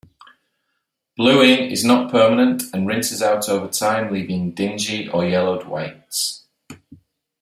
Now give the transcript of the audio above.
Bluing is not permanent and rinses out over time leaving dingy or yellowed whites.